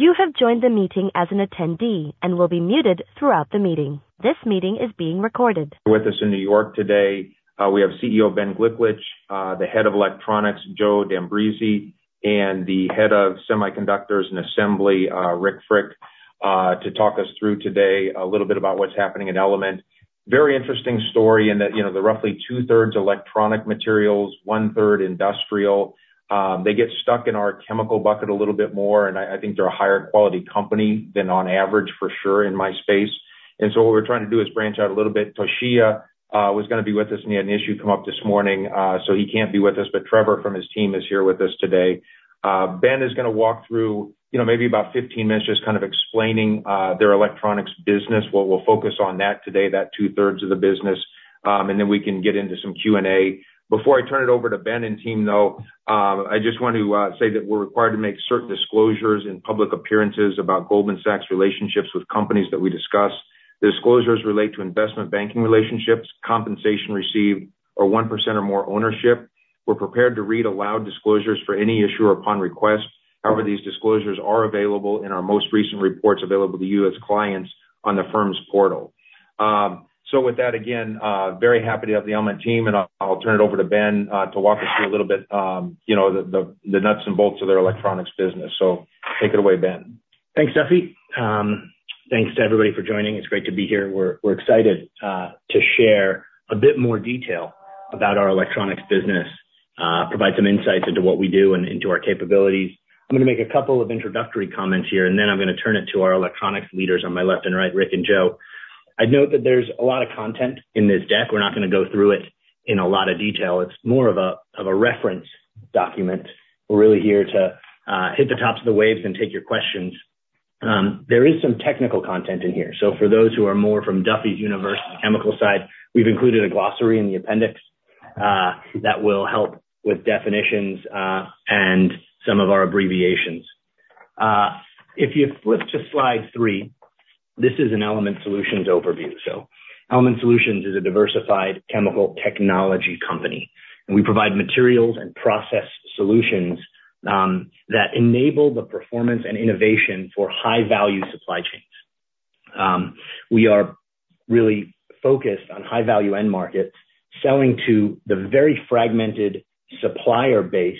With us in New York today, we have CEO Ben Gliklich, the head of electronics, Joe D’Ambrisi, and the head of semiconductors and assembly, Rick Frick, to talk us through today a little bit about what's happening in Element. Very interesting story in that, you know, the roughly two-thirds electronic materials, one-third industrial, they get stuck in our chemical bucket a little bit more, and I think they're a higher quality company than on average, for sure, in my space. And so what we're trying to do is branch out a little bit. Toshiya was gonna be with us, and he had an issue come up this morning, so he can't be with us, but Trevor from his team is here with us today. Ben is gonna walk through, you know, maybe about 15 minutes, just kind of explaining their electronics business. Well, we'll focus on that today, that two-thirds of the business, and then we can get into some Q&A. Before I turn it over to Ben and team, though, I just want to say that we're required to make certain disclosures in public appearances about Goldman Sachs' relationships with companies that we discuss. The disclosures relate to investment banking relationships, compensation received, or 1% or more ownership. We're prepared to read aloud disclosures for any issuer upon request. However, these disclosures are available in our most recent reports available to you as clients on the firm's portal. So with that, again, very happy to have the Element team, and I'll turn it over to Ben to walk us through a little bit, you know, the nuts and bolts of their electronics business. So take it away, Ben. Thanks, Duffy. Thanks to everybody for joining. It's great to be here. We're excited to share a bit more detail about our electronics business, provide some insights into what we do and into our capabilities. I'm gonna make a couple of introductory comments here, and then I'm gonna turn it to our electronics leaders on my left and right, Rick and Joe. I'd note that there's a lot of content in this deck. We're not gonna go through it in a lot of detail. It's more of a reference document. We're really here to hit the tops of the waves and take your questions. There is some technical content in here, so for those who are more from Duffy's universe and chemical side, we've included a glossary in the appendix that will help with definitions and some of our abbreviations. If you flip to slide three, this is an Element Solutions overview. So Element Solutions is a diversified chemical technology company, and we provide materials and process solutions that enable the performance and innovation for high-value supply chains. We are really focused on high-value end markets, selling to the very fragmented supplier base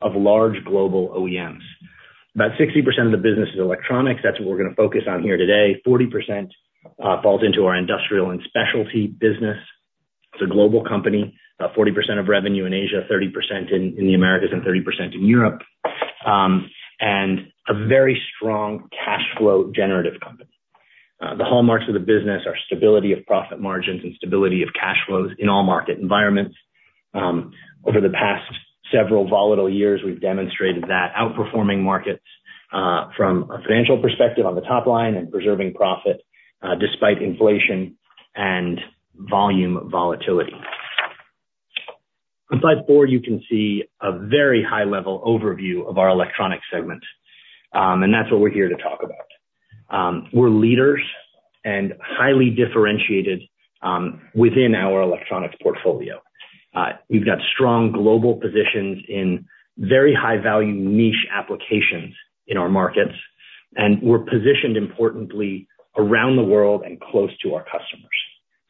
of large global OEMs. About 60% of the business is electronics. That's what we're gonna focus on here today. 40% falls into our industrial and specialty business. It's a global company, about 40% of revenue in Asia, 30% in the Americas and 30% in Europe, and a very strong cash flow generative company. The hallmarks of the business are stability of profit margins and stability of cash flows in all market environments. Over the past several volatile years, we've demonstrated that outperforming markets from a financial perspective on the top line and preserving profit despite inflation and volume volatility. On slide four, you can see a very high-level overview of our electronics segment, and that's what we're here to talk about. We're leaders and highly differentiated within our electronics portfolio. We've got strong global positions in very high-value niche applications in our markets, and we're positioned importantly around the world and close to our customers.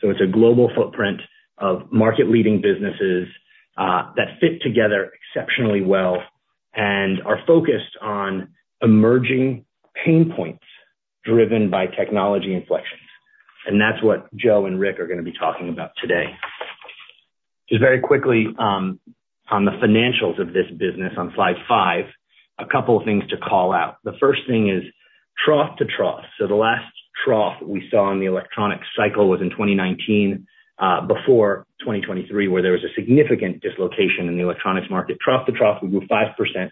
So it's a global footprint of market-leading businesses that fit together exceptionally well and are focused on emerging pain points driven by technology inflections. And that's what Joe and Rick are gonna be talking about today. Just very quickly, on the financials of this business on slide five, a couple of things to call out. The first thing is trough to trough. So the last trough we saw in the electronics cycle was in 2019, before 2023, where there was a significant dislocation in the electronics market. Trough to trough, we grew 5%,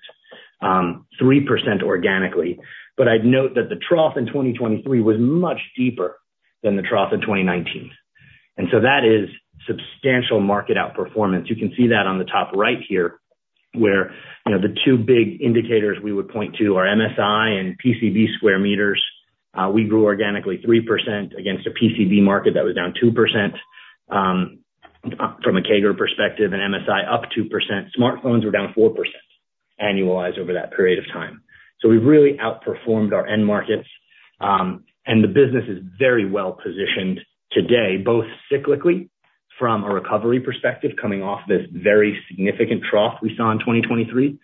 3% organically. But I'd note that the trough in 2023 was much deeper than the trough in 2019, and so that is substantial market outperformance. You can see that on the top right here, where, you know, the two big indicators we would point to are MSI and PCB square meters. We grew organically 3% against a PCB market that was down 2%, from a CAGR perspective, and MSI up 2%. Smartphones were down 4% annualized over that period of time. So we've really outperformed our end markets, and the business is very well positioned today, both cyclically from a recovery perspective, coming off this very significant trough we saw in 2023,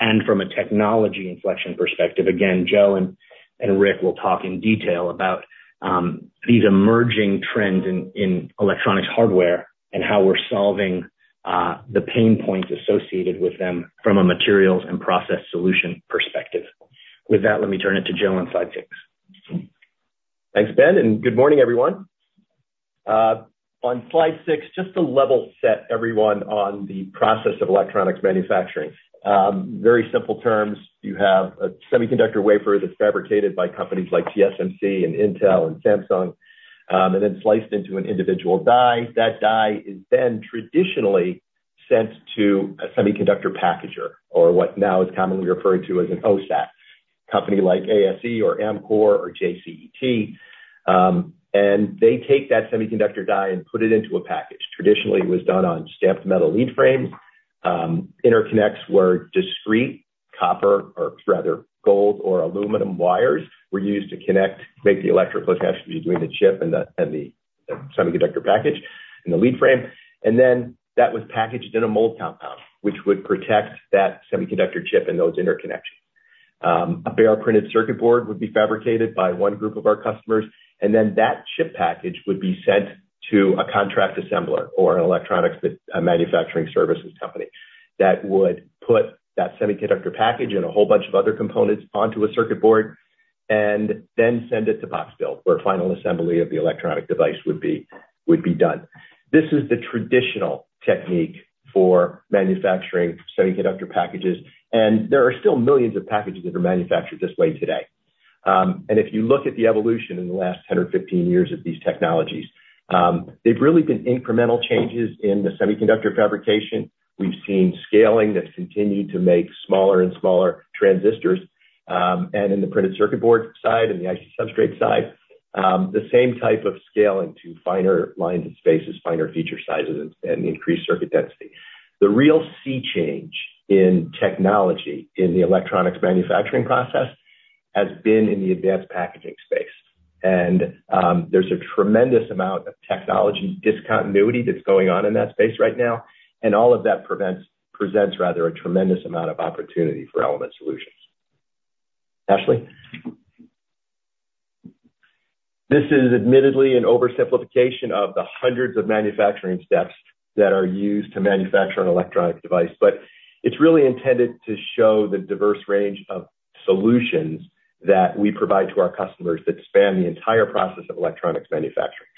and from a technology inflection perspective. Again, Joe and Rick will talk in detail about these emerging trends in electronics hardware and how we're solving the pain points associated with them from a materials and process solution perspective. With that, let me turn it to Joe on slide six. Thanks, Ben, and good morning, everyone. On slide six, just to level set everyone on the process of electronics manufacturing. Very simple terms, you have a semiconductor wafer that's fabricated by companies like TSMC and Intel and Samsung, and then sliced into an individual die. That die is then traditionally sent to a semiconductor packager, or what now is commonly referred to as an OSAT, company like ASE or Amkor or JCET, and they take that semiconductor die and put it into a package. Traditionally, it was done on stamped metal lead frame. Interconnects were discrete copper, or rather gold or aluminum wires were used to connect, make the electrical connection between the chip and the semiconductor package and the lead frame. Then that was packaged in a mold compound, which would protect that semiconductor chip and those interconnections. A bare printed circuit board would be fabricated by one group of our customers, and then that chip package would be sent to a contract assembler or an electronics manufacturing services company that would put that semiconductor package and a whole bunch of other components onto a circuit board, and then send it to box build, where final assembly of the electronic device would be done. This is the traditional technique for manufacturing semiconductor packages, and there are still millions of packages that are manufactured this way today. And if you look at the evolution in the last 10 or 15 years of these technologies, they've really been incremental changes in the semiconductor fabrication. We've seen scaling that's continued to make smaller and smaller transistors, and in the printed circuit board side, and the IC substrate side, the same type of scaling to finer lines and spaces, finer feature sizes, and, and increased circuit density. The real sea change in technology, in the electronics manufacturing process, has been in the advanced packaging space. And, there's a tremendous amount of technology discontinuity that's going on in that space right now, and all of that prevents, presents rather, a tremendous amount of opportunity for Element Solutions. Ashley? This is admittedly an oversimplification of the hundreds of manufacturing steps that are used to manufacture an electronic device, but it's really intended to show the diverse range of solutions that we provide to our customers that span the entire process of electronics manufacturing.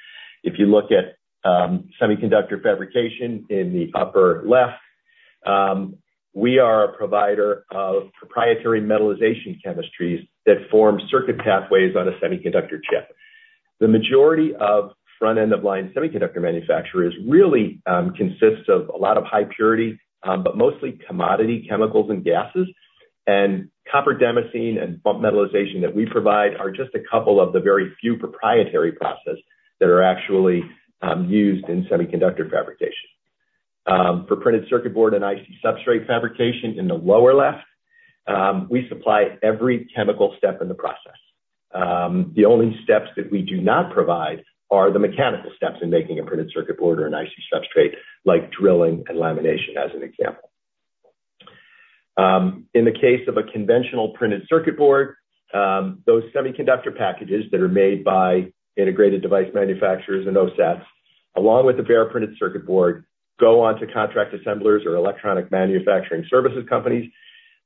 If you look at, semiconductor fabrication in the upper left, we are a provider of proprietary metallization chemistries that form circuit pathways on a semiconductor chip. The majority of front-end of line semiconductor manufacturers really, consists of a lot of high purity, but mostly commodity chemicals and gases, and Copper Damascene and bump metallization that we provide are just a couple of the very few proprietary processes that are actually, used in semiconductor fabrication. For printed circuit board and IC substrate fabrication in the lower left, we supply every chemical step in the process. The only steps that we do not provide are the mechanical steps in making a printed circuit board or an IC substrate, like drilling and lamination, as an example. In the case of a conventional printed circuit board, those semiconductor packages that are made by integrated device manufacturers and OSATs, along with the bare printed circuit board, go on to contract assemblers or electronic manufacturing services companies,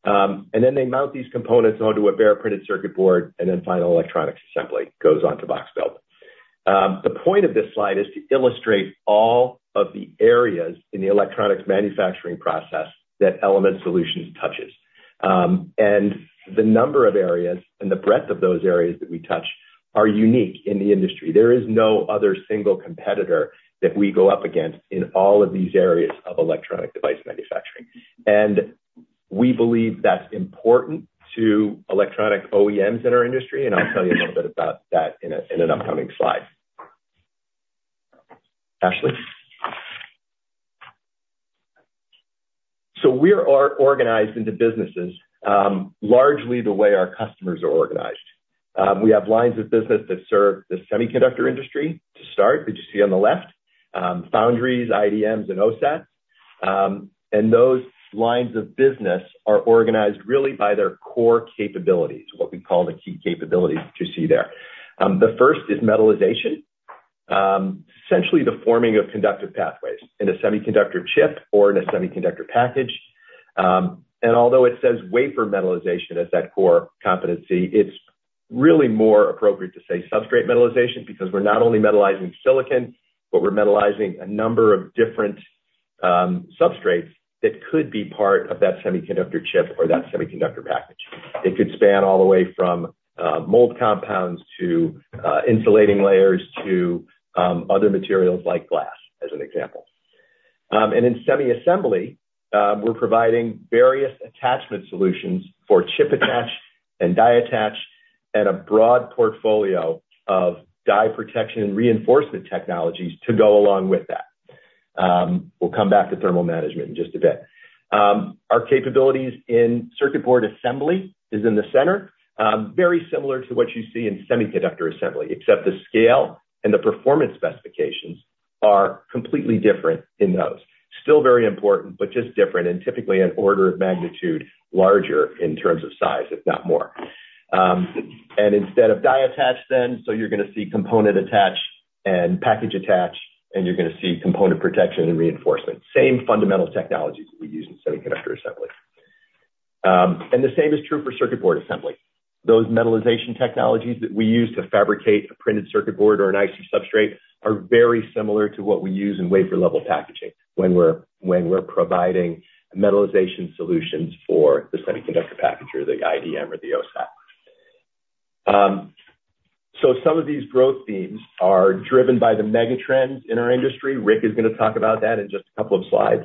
and then they mount these components onto a bare printed circuit board, and then final electronics assembly goes on to box build. The point of this slide is to illustrate all of the areas in the electronics manufacturing process that Element Solutions touches. And the number of areas and the breadth of those areas that we touch are unique in the industry. There is no other single competitor that we go up against in all of these areas of electronic device manufacturing. And we believe that's important to electronic OEMs in our industry, and I'll tell you a little bit about that in an upcoming slide. Ashley? So we are organized into businesses, largely the way our customers are organized. We have lines of business that serve the semiconductor industry to start, that you see on the left, foundries, IDMs, and OSATs. And those lines of business are organized really by their core capabilities, what we call the key capabilities, that you see there. The first is metallization. Essentially the forming of conductive pathways in a semiconductor chip or in a semiconductor package. Although it says wafer metallization as that core competency, it's really more appropriate to say substrate metallization, because we're not only metallizing silicon, but we're metallizing a number of different substrates that could be part of that semiconductor chip or that semiconductor package. It could span all the way from mold compounds to insulating layers to other materials like glass, as an example. In semi assembly, we're providing various attachment solutions for chip attach and die attach, and a broad portfolio of die protection and reinforcement technologies to go along with that. We'll come back to thermal management in just a bit. Our capabilities in circuit board assembly is in the center, very similar to what you see in semiconductor assembly, except the scale and the performance specifications are completely different in those. Still very important, but just different, and typically an order of magnitude larger in terms of size, if not more. And instead of die attach then, so you're gonna see component attach and package attach, and you're gonna see component protection and reinforcement. Same fundamental technologies that we use in semiconductor assembly. And the same is true for circuit board assembly. Those metallization technologies that we use to fabricate a printed circuit board or an IC Substrate are very similar to what we use in wafer-level packaging when we're providing metallization solutions for the semiconductor package or the IDM or the OSAT. So some of these growth themes are driven by the mega trends in our industry. Rick is gonna talk about that in just a couple of slides.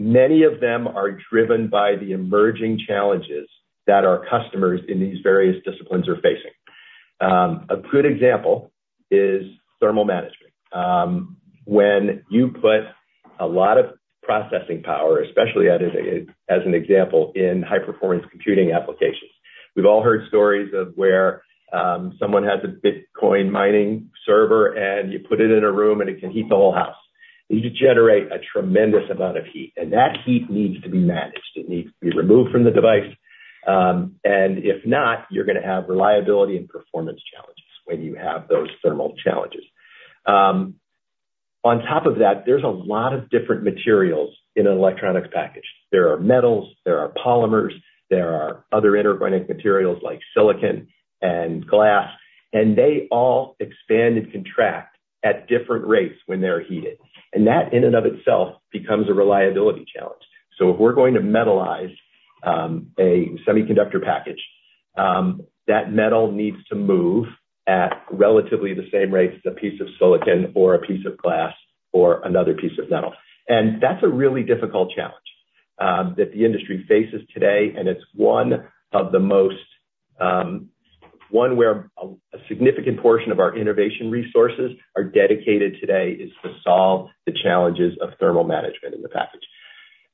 Many of them are driven by the emerging challenges that our customers in these various disciplines are facing. A good example is thermal management. When you put a lot of processing power, especially at a, as an example, in high-performance computing applications, we've all heard stories of where someone has a Bitcoin mining server, and you put it in a room, and it can heat the whole house. These generate a tremendous amount of heat, and that heat needs to be managed. It needs to be removed from the device, and if not, you're gonna have reliability and performance challenges when you have those thermal challenges. On top of that, there's a lot of different materials in an electronics package. There are metals, there are polymers, there are other inorganic materials like silicon and glass, and they all expand and contract at different rates when they're heated, and that, in and of itself, becomes a reliability challenge. So if we're going to metallize a semiconductor package, that metal needs to move at relatively the same rate as a piece of silicon or a piece of glass or another piece of metal. And that's a really difficult challenge that the industry faces today, and it's one where a significant portion of our innovation resources are dedicated today, is to solve the challenges of thermal management in the package.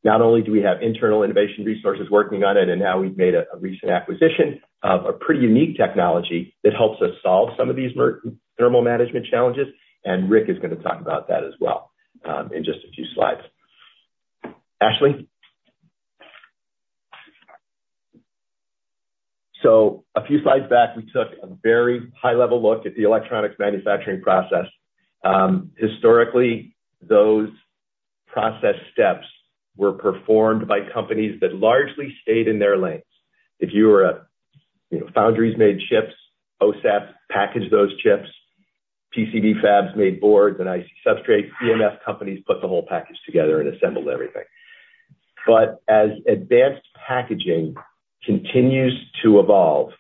Not only do we have internal innovation resources working on it, and now we've made a recent acquisition of a pretty unique technology that helps us solve some of these thermal management challenges, and Rick is gonna talk about that as well in just a few slides. Ashley? So a few slides back, we took a very high-level look at the electronics manufacturing process. Historically, those process steps were performed by companies that largely stayed in their lanes. If you were a you know foundries made chips, OSAT packaged those chips, PCB fabs made boards, and IC substrate EMS companies put the whole package together and assembled everything. But as advanced packaging continues to evolve,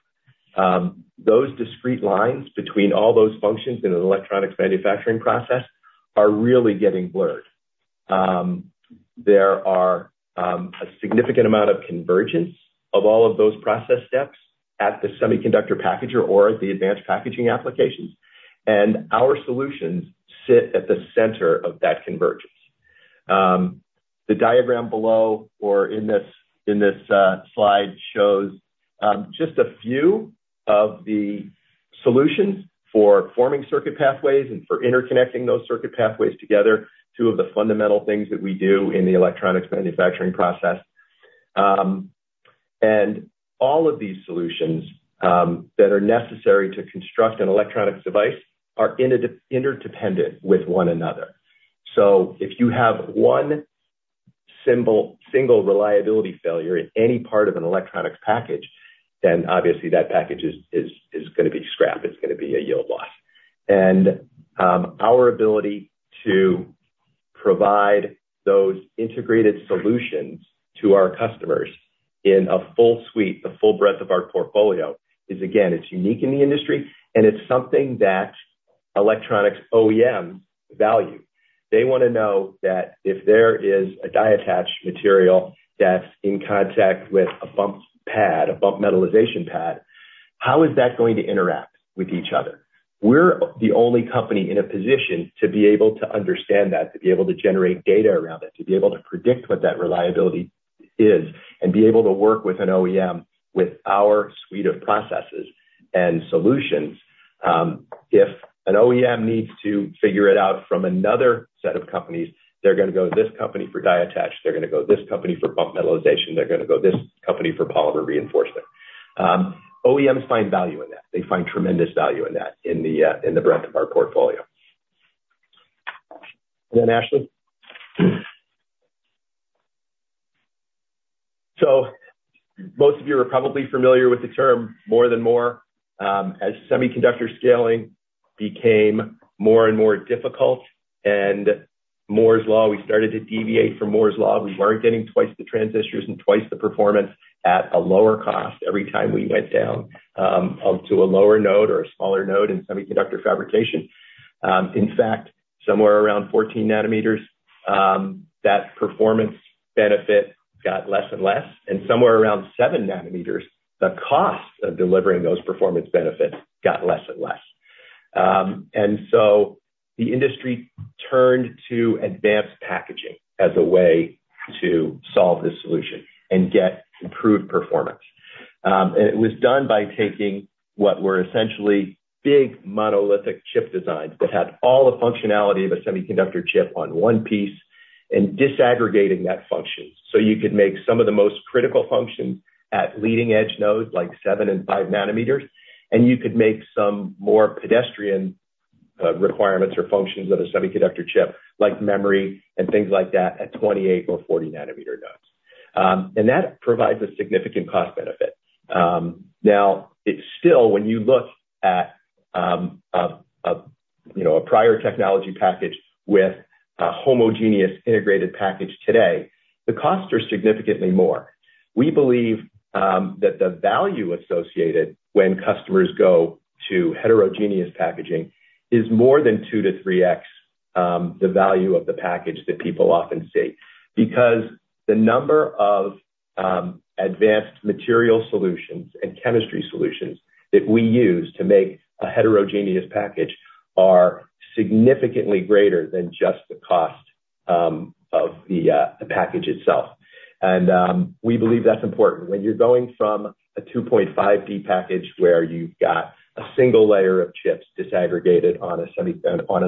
those discrete lines between all those functions in an electronics manufacturing process are really getting blurred. There are a significant amount of convergence of all of those process steps at the semiconductor packager or at the advanced packaging applications, and our solutions sit at the center of that convergence. The diagram below or in this slide shows just a few of the solutions for forming circuit pathways and for interconnecting those circuit pathways together, two of the fundamental things that we do in the electronics manufacturing process. And all of these solutions that are necessary to construct an electronics device are interdependent with one another. So if you have one single reliability failure in any part of an electronics package, then obviously that package is gonna be scrap, it's gonna be a yield loss. Our ability to provide those integrated solutions to our customers in a full suite, the full breadth of our portfolio, is again, it's unique in the industry, and it's something that electronics OEMs value. They want to know that if there is a die attach material that's in contact with a bump pad, a bump metallization pad, how is that going to interact with each other? We're the only company in a position to be able to understand that, to be able to generate data around it, to be able to predict what that reliability is, and be able to work with an OEM, with our suite of processes and solutions. If an OEM needs to figure it out from another set of companies, they're gonna go to this company for die attach, they're gonna go to this company for bump metallization, they're gonna go this company for polymer reinforcement. OEMs find value in that. They find tremendous value in that, in the breadth of our portfolio. And then, Ashley? So most of you are probably familiar with the term More than Moore. As semiconductor scaling became more and more difficult, and Moore's Law, we started to deviate from Moore's Law. We weren't getting twice the transistors and twice the performance at a lower cost every time we went down, up to a lower node or a smaller node in semiconductor fabrication. In fact, somewhere around 14 nanometers, that performance benefit got less and less, and somewhere around 7 nanometers, the cost of delivering those performance benefits got less and less. And so the industry turned to advanced packaging as a way to solve this solution and get improved performance. And it was done by taking what were essentially big monolithic chip designs that had all the functionality of a semiconductor chip on one piece and disaggregating that function. So you could make some of the most critical functions at leading-edge nodes, like 7 nanometers and 5 nanometers, and you could make some more pedestrian requirements or functions of a semiconductor chip, like memory and things like that, at 28-nanometer or 40-nanometer nodes. And that provides a significant cost benefit. Now, it's still, when you look at, you know, a prior technology package with a homogeneous integrated package today, the costs are significantly more. We believe that the value associated when customers go to heterogeneous packaging is more than 2x-3x the value of the package that people often see. Because the number of advanced material solutions and chemistry solutions that we use to make a heterogeneous package are significantly greater than just the cost of the package itself. We believe that's important. When you're going from a 2.5D package where you've got a single layer of chips disaggregated on an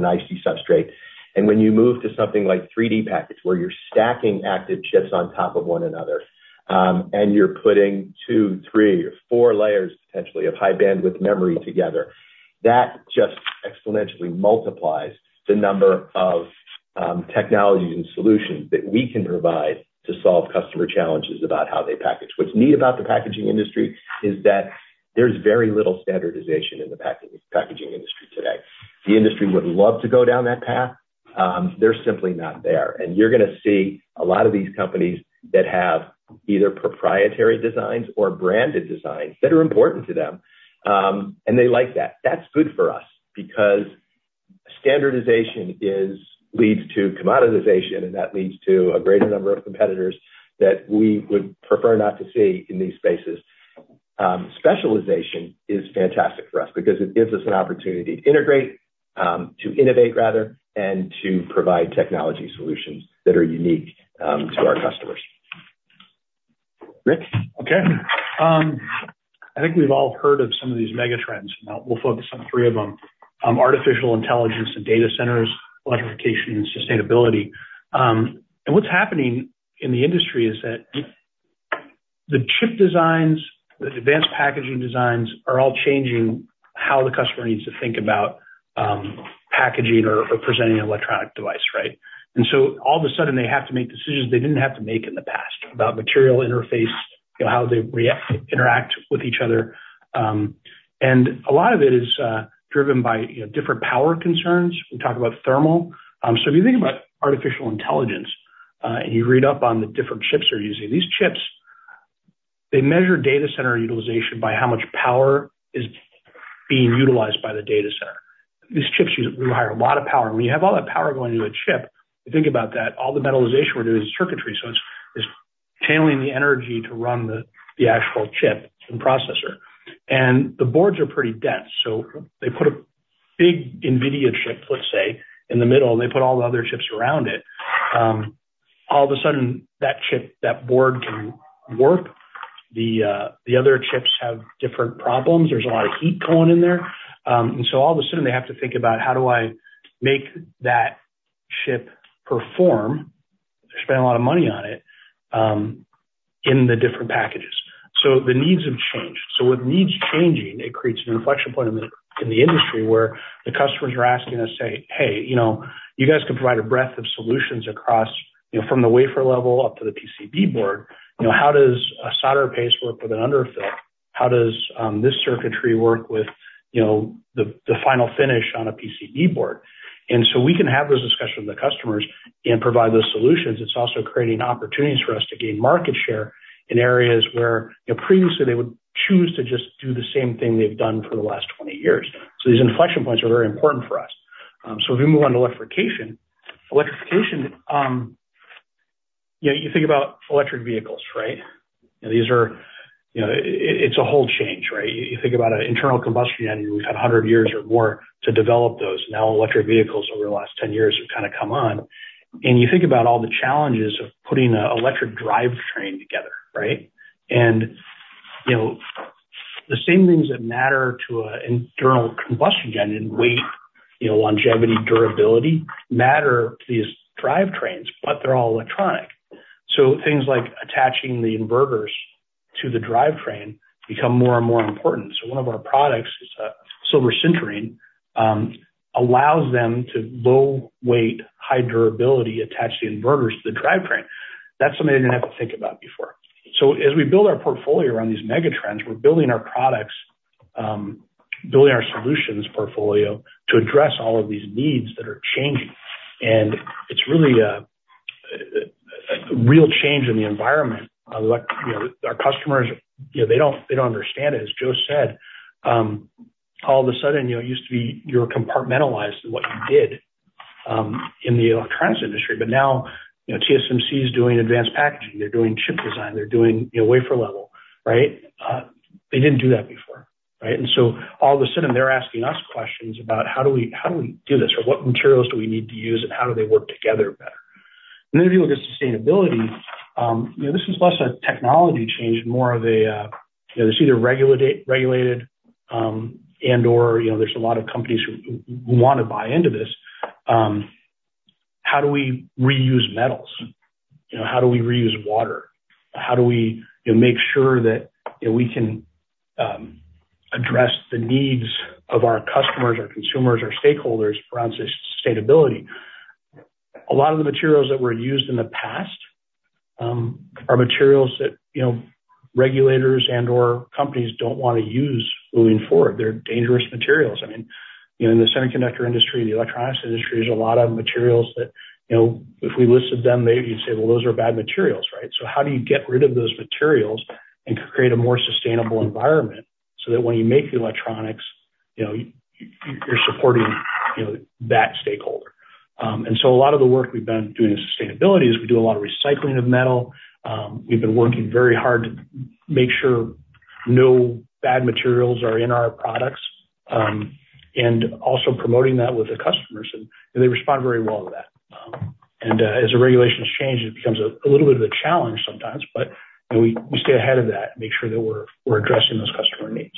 IC substrate, and when you move to something like 3D package, where you're stacking active chips on top of one another, and you're putting 2 layers, 3 layers, or 4 layers, potentially, of high bandwidth memory together, that just exponentially multiplies the number of technologies and solutions that we can provide to solve customer challenges about how they package. What's neat about the packaging industry is that there's very little standardization in the packaging industry today. The industry would love to go down that path, they're simply not there. And you're gonna see a lot of these companies that have either proprietary designs or branded designs that are important to them, and they like that. That's good for us, because standardization leads to commoditization, and that leads to a greater number of competitors that we would prefer not to see in these spaces. Specialization is fantastic for us because it gives us an opportunity to innovate, rather, and to provide technology solutions that are unique to our customers. Rick? Okay. I think we've all heard of some of these megatrends. Now, we'll focus on three of them: artificial intelligence and data centers, electrification, and sustainability. And what's happening in the industry is that the chip designs, the advanced packaging designs, are all changing how the customer needs to think about, packaging or, or presenting an electronic device, right? And so all of a sudden, they have to make decisions they didn't have to make in the past about material interface, you know, how they react, interact with each other. And a lot of it is, driven by, you know, different power concerns. We talk about thermal. So if you think about artificial intelligence, and you read up on the different chips they're using, these chips, they measure data center utilization by how much power is being utilized by the data center. These chips require a lot of power. When you have all that power going into a chip, you think about that, all the metallization we're doing is circuitry, so it's channeling the energy to run the actual chip and processor. The boards are pretty dense, so they put a big NVIDIA chip, let's say, in the middle, and they put all the other chips around it. All of a sudden, that chip, that board can work. The other chips have different problems. There's a lot of heat going in there. So all of a sudden, they have to think about how do I make that chip perform. They spend a lot of money on it in the different packages. So the needs have changed. So with needs changing, it creates an inflection point in the industry, where the customers are asking us, say, "Hey, you know, you guys can provide a breadth of solutions across, you know, from the wafer level up to the PCB board. You know, how does a solder paste work with an underfill? How does this circuitry work with, you know, the final finish on a PCB board?" And so we can have those discussions with the customers and provide those solutions. It's also creating opportunities for us to gain market share in areas where, you know, previously they would choose to just do the same thing they've done for the last 20 years. So these inflection points are very important for us. So if we move on to electrification. Electrification, you know, you think about electric vehicles, right? These are, you know, it's a whole change, right? You think about an internal combustion engine; we've had 100 years or more to develop those. Now, electric vehicles over the last 10 years have kind of come on, and you think about all the challenges of putting an electric drivetrain together, right? You know, the same things that matter to an internal combustion engine, weight, you know, longevity, durability, matter to these drivetrains, but they're all electronic. So things like attaching the inverters to the drivetrain become more and more important. So one of our products is Silver Sintering, allows them to low weight, high durability, attach the inverters to the drivetrain. That's something they didn't have to think about before. So as we build our portfolio around these megatrends, we're building our products, building our solutions portfolio to address all of these needs that are changing. And it's really a real change in the environment. Our You know, our customers, you know, they don't, they don't understand it. As Joe said, all of a sudden, you know, it used to be you're compartmentalized in what you did, in the electronics industry. But now, you know, TSMC is doing advanced packaging, they're doing chip design, they're doing, you know, wafer level, right? They didn't do that before, right? And so all of a sudden, they're asking us questions about how do we, how do we do this? Or what materials do we need to use, and how do they work together better? And then if you look at sustainability, you know, this is less a technology change, more of a, you know, it's either regulated, and/or, you know, there's a lot of companies who want to buy into this. How do we reuse metals? You know, how do we reuse water? How do we, you know, make sure that, you know, we can address the needs of our customers, our consumers, our stakeholders around sustainability? A lot of the materials that were used in the past, are materials that, you know, regulators and/or companies don't want to use moving forward. They're dangerous materials. I mean, you know, in the semiconductor industry, the electronics industry, there's a lot of materials that, you know, if we listed them, maybe you'd say, "Well, those are bad materials," right? So how do you get rid of those materials and create a more sustainable environment? So that when you make the electronics, you know, you're supporting, you know, that stakeholder. And so a lot of the work we've been doing in sustainability is we do a lot of recycling of metal. We've been working very hard to make sure no bad materials are in our products, and also promoting that with the customers, and they respond very well to that. And as the regulations change, it becomes a little bit of a challenge sometimes, but you know, we stay ahead of that and make sure that we're addressing those customer needs.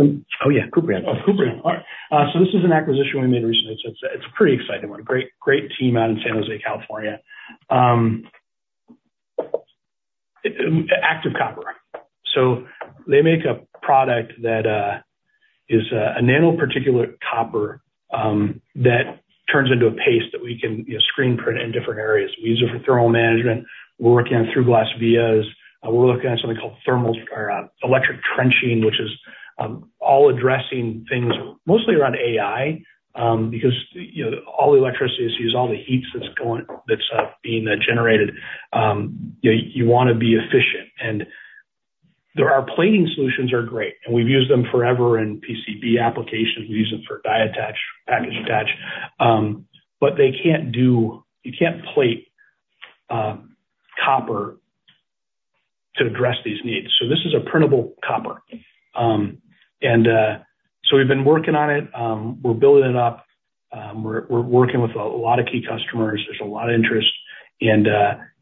Oh, yeah, Kuprion. Oh, Kuprion. All right. So this is an acquisition we made recently. It's a pretty exciting one. Great, great team out in San Jose, California. ActiveCopper. So they make a product that is a nanoparticulate copper that turns into a paste that we can, you know, screen print in different areas. We use it for thermal management. We're working on through-glass vias. We're looking at something called thermal or electric trenching, which is all addressing things mostly around AI, because, you know, all the electricity is used, all the heat that's going that's being generated, you wanna be efficient. And our plating solutions are great, and we've used them forever in PCB applications. We use them for die attach, package attach, but they can't do. You can't plate copper to address these needs. So this is a printable copper. And so we've been working on it. We're building it up. We're working with a lot of key customers. There's a lot of interest, and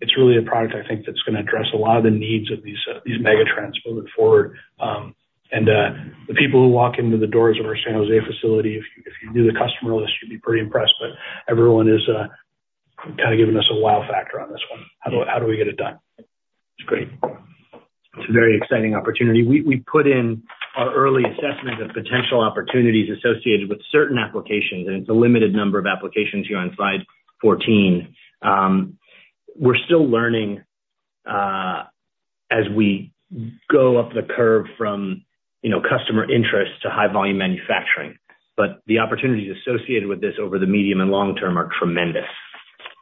it's really a product I think that's gonna address a lot of the needs of these megatrends moving forward. The people who walk into the doors of our San Jose facility, if you knew the customer list, you'd be pretty impressed, but everyone is kind of giving us a wow factor on this one. How do we get it done? It's great. It's a very exciting opportunity. We, we put in our early assessment of potential opportunities associated with certain applications, and it's a limited number of applications here on slide 14. We're still learning, as we go up the curve from, you know, customer interest to high-volume manufacturing, but the opportunities associated with this over the medium and long term are tremendous.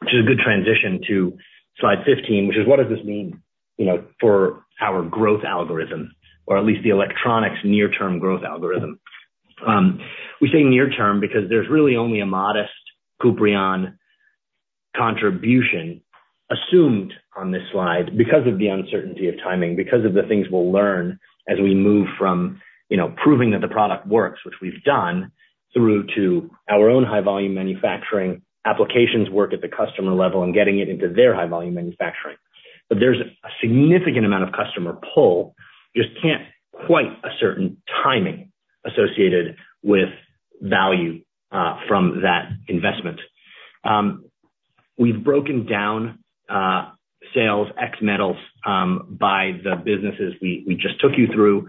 Which is a good transition to slide 15, which is: what does this mean, you know, for our growth algorithm, or at least the electronics near-term growth algorithm? We say near term, because there's really only a modest Kuprion contribution assumed on this slide because of the uncertainty of timing, because of the things we'll learn as we move from, you know, proving that the product works, which we've done, through to our own high-volume manufacturing applications work at the customer level and getting it into their high-volume manufacturing. But there's a significant amount of customer pull, just can't quite ascertain timing associated with value from that investment. We've broken down sales ex metals by the businesses we just took you through.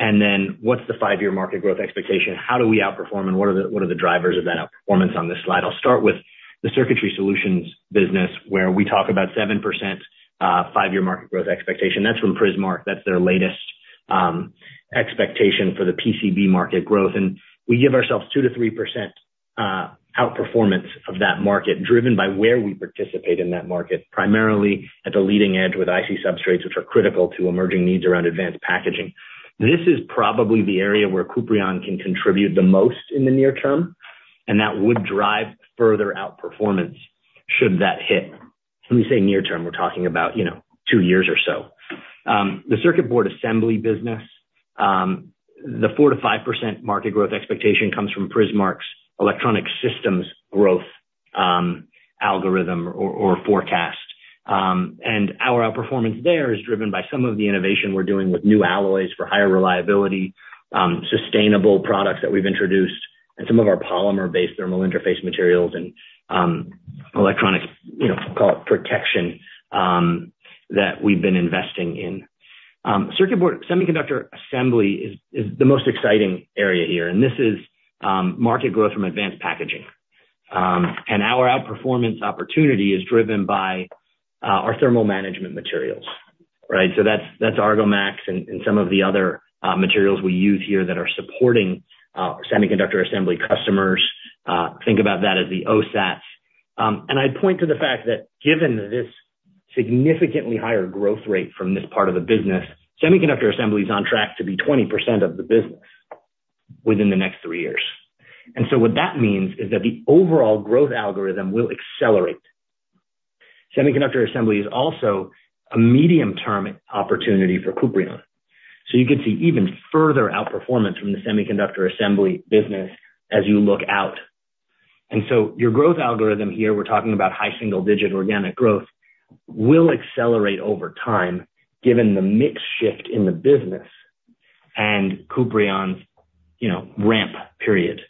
And then what's the five-year market growth expectation? How do we outperform, and what are the, what are the drivers of that outperformance on this slide? I'll start with the circuitry solutions business, where we talk about 7% five-year market growth expectation. That's from Prismark. That's their latest expectation for the PCB market growth, and we give ourselves 2%-3% outperformance of that market, driven by where we participate in that market, primarily at the leading edge with IC substrates, which are critical to emerging needs around advanced packaging. This is probably the area where Kuprion can contribute the most in the near term, and that would drive further outperformance should that hit. When we say near term, we're talking about, you know, 2 years or so. The circuit board assembly business, the 4%-5% market growth expectation comes from Prismark's electronic systems growth algorithm or forecast. Our outperformance there is driven by some of the innovation we're doing with new alloys for higher reliability, sustainable products that we've introduced, and some of our polymer-based thermal interface materials and electronic, you know, call it protection, that we've been investing in. Circuit board semiconductor assembly is the most exciting area here, and this is market growth from advanced packaging. Our outperformance opportunity is driven by our thermal management materials, right? So that's Argomax and some of the other materials we use here that are supporting our semiconductor assembly customers. Think about that as the OSAT. I'd point to the fact that given this significantly higher growth rate from this part of the business, semiconductor assembly is on track to be 20% of the business within the next three years. What that means is that the overall growth algorithm will accelerate. Semiconductor assembly is also a medium-term opportunity for Kuprion, so you could see even further outperformance from the semiconductor assembly business as you look out. Your growth algorithm here, we're talking about high single digit organic growth, will accelerate over time given the mix shift in the business and Kuprion's, you know, ramp period.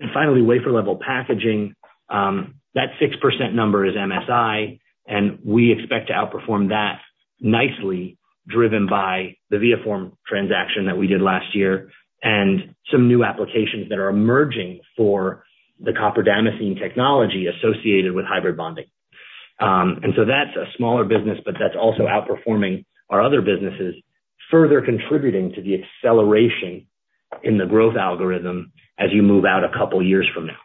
And finally, wafer level packaging, that 6% number is MSI, and we expect to outperform that nicely, driven by the ViaForm transaction that we did last year and some new applications that are emerging for the copper damascene technology associated with hybrid bonding. And so that's a smaller business, but that's also outperforming our other businesses, further contributing to the acceleration in the growth algorithm as you move out a couple years from now.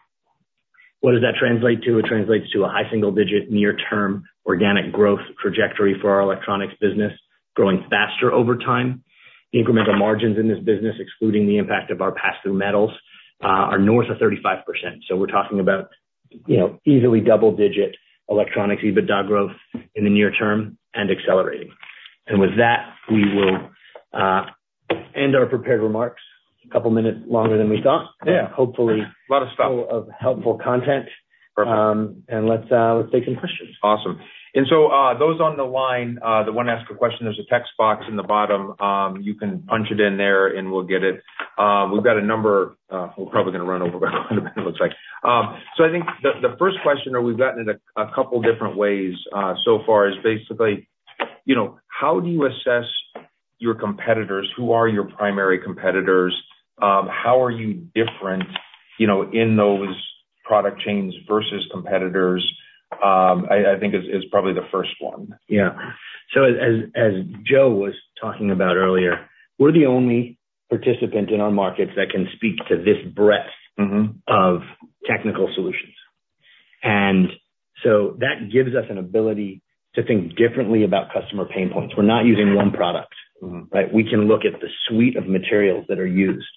What does that translate to? It translates to a high single digit near-term organic growth trajectory for our electronics business, growing faster over time. The incremental margins in this business, excluding the impact of our pass-through metals, are north of 35%. So we're talking about, you know, easily double-digit electronics EBITDA growth in the near term and accelerating. And with that, we will end our prepared remarks. A couple minutes longer than we thought. Yeah. Hopefully- A lot of stuff. Of helpful content. Let's take some questions. Awesome. And so, those on the line that want to ask a question, there's a text box in the bottom. You can punch it in there and we'll get it. We've got a number, we're probably gonna run over, it looks like. So I think the first question that we've gotten in a couple different ways so far is basically, you know, how do you assess your competitors? Who are your primary competitors? How are you different, you know, in those product chains versus competitors? I think is probably the first one. Yeah. So as Joe was talking about earlier, we're the only participant in our markets that can speak to this breadth of technical solutions. And so that gives us an ability to think differently about customer pain points. We're not using one product. Mm-hmm. But we can look at the suite of materials that are used.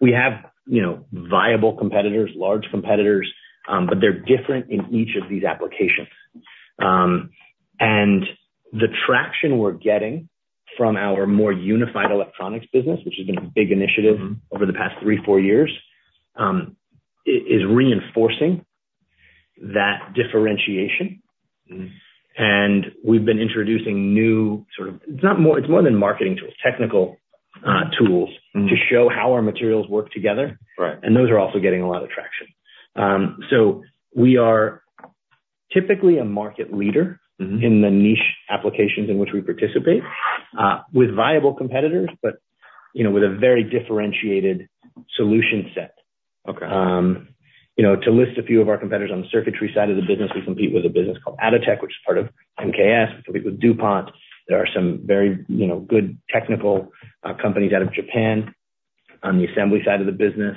We have, you know, viable competitors, large competitors, but they're different in each of these applications. And the traction we're getting from our more unified electronics business, which has been a big initiative over the past 3 years, 4 years, is reinforcing that differentiation. Mm-hmm. We've been introducing new sort of—It's not more- it's more than marketing tools, technical tools to show how our materials work together. Right. Those are also getting a lot of traction. So we are typically a market leader in the niche applications in which we participate, with viable competitors, but, you know, with a very differentiated solution set. Okay. You know, to list a few of our competitors on the circuitry side of the business, we compete with a business called Atotech, which is part of MKS. We compete with DuPont. There are some very, you know, good technical companies out of Japan. On the assembly side of the business,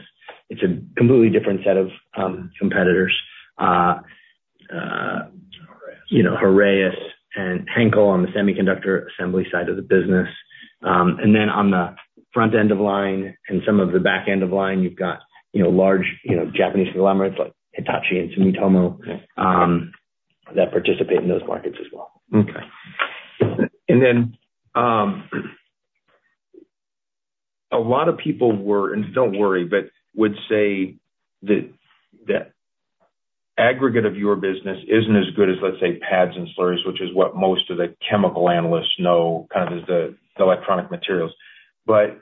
it's a completely different set of competitors. You know, Heraeus and Henkel on the semiconductor assembly side of the business. And then on the front end of line and some of the back end of line, you've got, you know, large, you know, Japanese conglomerates like Hitachi and Sumitomo that participate in those markets as well. Okay. And then, a lot of people were, and don't worry, but would say that the aggregate of your business isn't as good as, let's say, pads and slurries, which is what most of the chemical analysts know, kind of, as the electronic materials. But,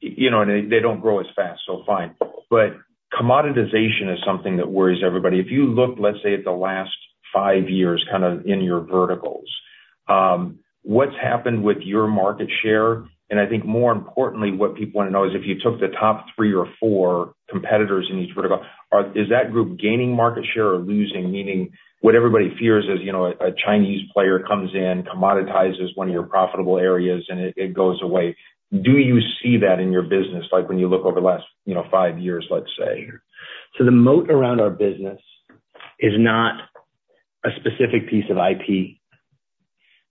you know, they, they don't grow as fast, so fine. But commoditization is something that worries everybody. If you look, let's say, at the last five years, kind of in your verticals, what's happened with your market share? And I think more importantly, what people want to know is if you took the top three or four competitors in each vertical, is that group gaining market share or losing? Meaning, what everybody fears is, you know, a Chinese player comes in, commoditizes one of your profitable areas, and it, it goes away. Do you see that in your business, like, when you look over the last, you know, five years, let's say? The moat around our business is not a specific piece of IP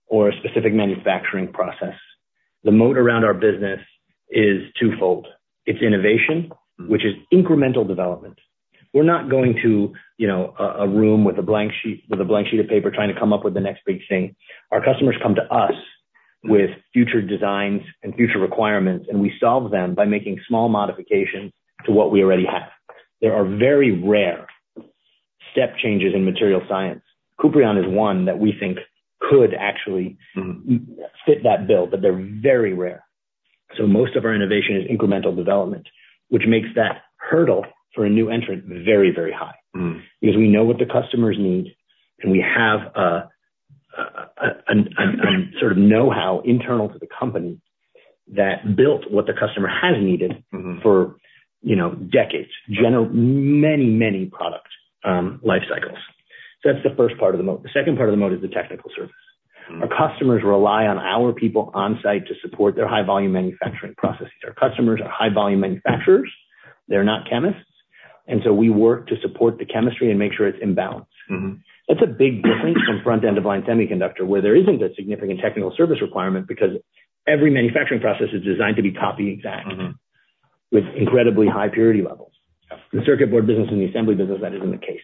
or a specific manufacturing process. The moat around our business is twofold. It's innovation which is incremental development. We're not going to, you know, a room with a blank sheet, with a blank sheet of paper, trying to come up with the next big thing. Our customers come to us with future designs and future requirements, and we solve them by making small modifications to what we already have. There are very rare step changes in materials science. Kuprion is one that we think could actually fit that bill, but they're very rare. So most of our innovation is incremental development, which makes that hurdle for a new entrant very, very high. Mm. Because we know what the customers need, and we have a sort of know-how internal to the company that built what the customer has needed for, you know, decades. Many, many products, life cycles. So that's the first part of the moat. The second part of the moat is the technical service. Mm. Our customers rely on our people on site to support their high volume manufacturing processes. Our customers are high volume manufacturers. They're not chemists, and so we work to support the chemistry and make sure it's in balance. Mm-hmm. That's a big difference from front-end-of-line semiconductor, where there isn't a significant technical service requirement, because every manufacturing process is designed to be copy exact with incredibly high purity levels. Yeah. The circuit board business and the assembly business, that isn't the case.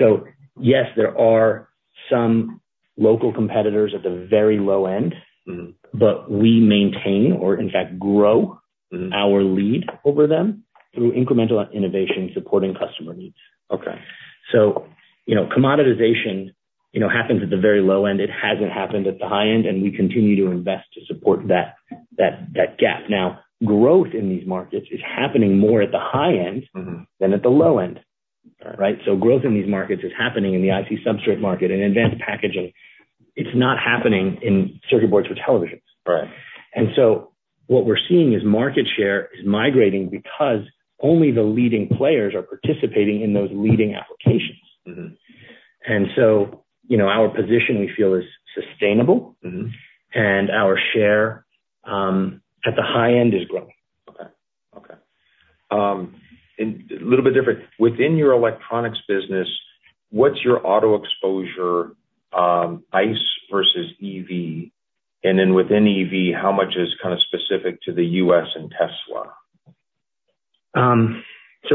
So yes, there are some local competitors at the very low end but we maintain or in fact, grow our lead over them through incremental innovation supporting customer needs. Okay. So, you know, commoditization, you know, happens at the very low end. It hasn't happened at the high end, and we continue to invest to support that gap. Now, growth in these markets is happening more at the high end than at the low end. All right. So growth in these markets is happening in the IC substrate market, in advanced packaging. It's not happening in circuit boards for televisions. Right. What we're seeing is market share is migrating because only the leading players are participating in those leading applications. Mm-hmm. You know, our position, we feel, is sustainable. Mm-hmm. Our share, at the high end, is growing. Okay, okay. And a little bit different, within your electronics business, what's your auto exposure, ICE versus EV? And then within EV, how much is kind of specific to the U.S. and Tesla?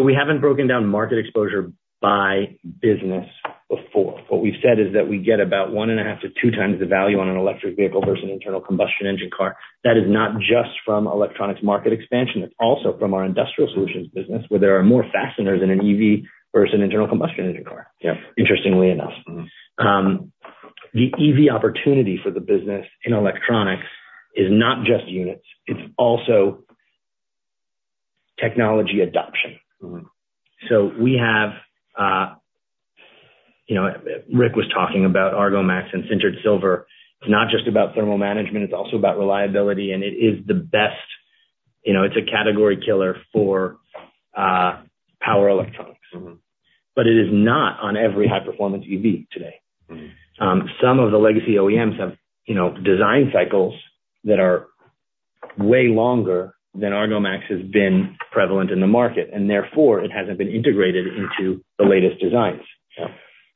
We haven't broken down market exposure by business before. What we've said is that we get about 1.5x-2x the value on an electric vehicle versus an internal combustion engine car. That is not just from electronics market expansion, it's also from our industrial solutions business, where there are more fasteners in an EV versus an internal combustion engine car. Yeah. Interestingly enough. Mm-hmm. The EV opportunity for the business in electronics is not just units, it's also technology adoption. Mm-hmm. So we have, you know, Rick was talking about Argomax and Sintered Silver. It's not just about thermal management, it's also about reliability, and it is the best, you know, it's a category killer for power electronics. Mm-hmm. But it is not on every high performance EV today. Mm-hmm. Some of the legacy OEMs have, you know, design cycles that are way longer than Argomax has been prevalent in the market, and therefore, it hasn't been integrated into the latest designs. Yeah.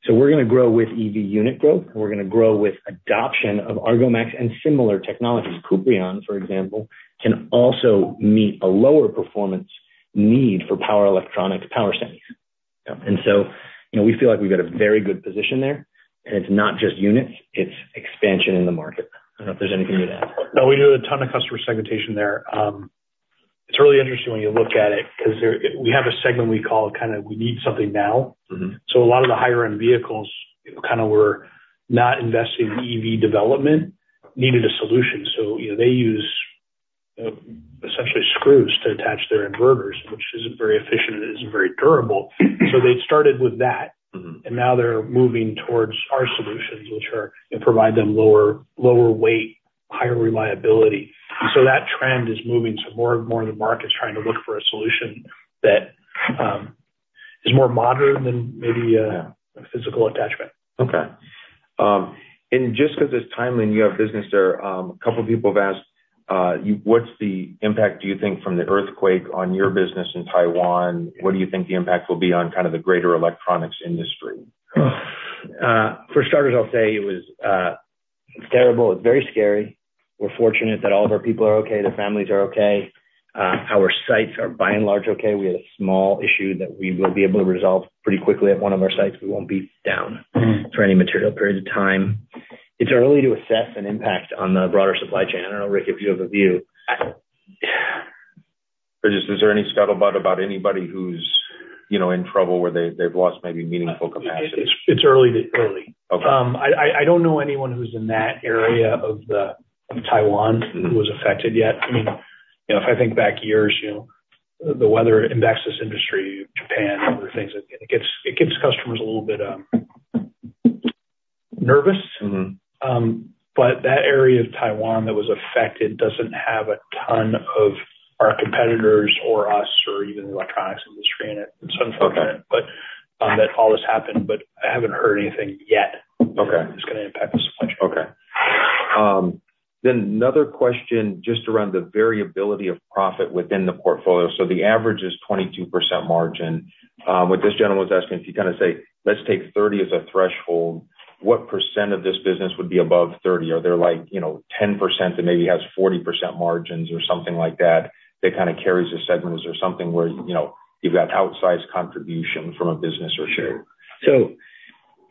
We're gonna grow with EV unit growth, and we're gonna grow with adoption of Argomax and similar technologies. Kuprion, for example, can also meet a lower performance need for power electronics, power semis. Yeah. And so, you know, we feel like we've got a very good position there, and it's not just units, it's expansion in the market. I don't know if there's anything you want to add. No, we do a ton of customer segmentation there. It's really interesting when you look at it, 'cause there, we have a segment we call kind of, we need something now. Mm-hmm. So a lot of the higher end vehicles, kind of, were not investing in EV development, needed a solution. So, you know, they use essentially screws to attach their inverters, which isn't very efficient and isn't very durable. So they started with that and now they're moving towards our solutions, which are provide them lower, lower weight, higher reliability. So that trend is moving to more and more of the markets, trying to look for a solution that is more modern than maybe a physical attachment. Okay. And just because it's timely in your business there, a couple people have asked you what's the impact, do you think, from the earthquake on your business in Taiwan? What do you think the impact will be on kind of the greater electronics industry? For starters, I'll say it was, it's terrible, it's very scary. We're fortunate that all of our people are okay, their families are okay. Our sites are, by and large, okay. We had a small issue that we will be able to resolve pretty quickly at one of our sites. We won't be down for any material period of time. It's early to assess an impact on the broader supply chain. I don't know, Rick, if you have a view. Or just, is there any scuttlebutt about anybody who's, you know, in trouble, where they, they've lost maybe meaningful capacity? It's early. Okay. I don't know anyone who's in that area of Taiwan who was affected yet. I mean, you know, if I think back years, you know, the weather impacts this industry, Japan, other things, it gets, it gives customers a little bit nervous. Mm-hmm. But that area of Taiwan that was affected doesn't have a ton of our competitors or us or even the electronics industry in it. It's unfortunate. Okay... but, that all this happened, but I haven't heard anything yet- Okay That's gonna impact the supply chain. Okay. Then another question, just around the variability of profit within the portfolio. So the average is 22% margin. What this gentleman is asking, if you kind of say, let's take 30% as a threshold, what percent of this business would be above 30%? Are there like, you know, 10% that maybe has 40% margins or something like that, that kind of carries a segment? Is there something where, you know, you've got outsized contribution from a business or two?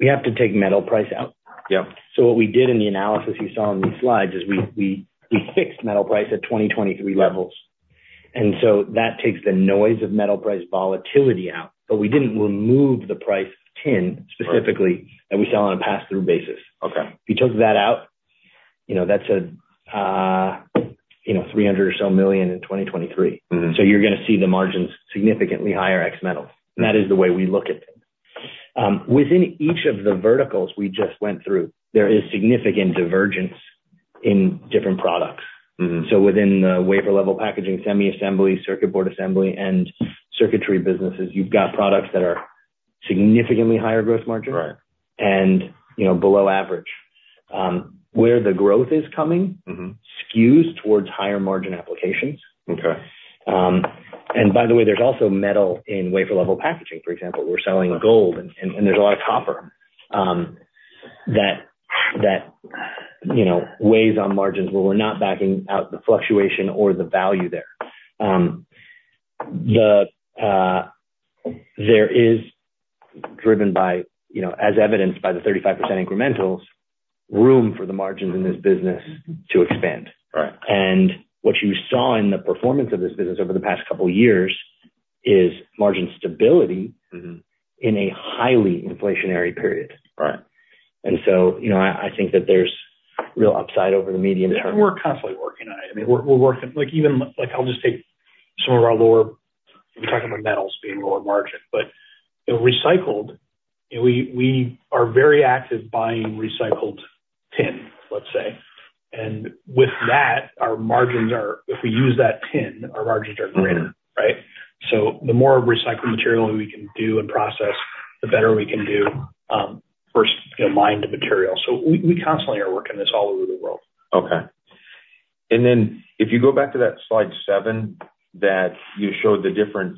We have to take metal price out. Yep. So what we did in the analysis you saw on these slides is we fixed metal price at 2023 levels. And so that takes the noise of metal price volatility out, but we didn't remove the price of tin specifically- Right that we sell on a pass-through basis. Okay. If you took that out, you know, that's a $300 million or so in 2023. Mm-hmm. You're gonna see the margins significantly higher ex metal. That is the way we look at it. Within each of the verticals we just went through, there is significant divergence in different products. Mm-hmm. Within the wafer-level packaging, semi-assembly, circuit board assembly, and circuitry businesses, you've got products that are significantly higher growth margin and, you know, below average. Where the growth is coming- Mm-hmm Skews towards higher margin applications. Okay. And by the way, there's also metal in wafer level packaging. For example, we're selling gold and there's a lot of copper, you know, that weighs on margins, where we're not backing out the fluctuation or the value there. There is, driven by, you know, as evidenced by the 35% incrementals, room for the margins in this business to expand. Right. What you saw in the performance of this business over the past couple of years is margin stability. Mm-hmm in a highly inflationary period. Right. You know, I, I think that there's real upside over the medium term. And we're constantly working on it. I mean, we're working—like, even, like, I'll just take some of our lower—We're talking about metals being lower margin, but, you know, recycled, and we are very active buying recycled tin, let's say. And with that, our margins are, if we use that tin, our margins are greater, right? So the more recycled material we can do and process, the better we can do, versus, you know, mining the material. So we constantly are working this all over the world. Okay. And then if you go back to that slide seven, that you showed the different